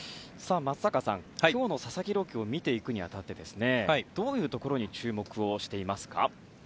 松坂さん、今日の佐々木朗希を見ていくに当たってどういうところに注目をしていますか？